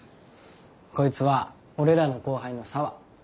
こいつは俺らの後輩の沙和。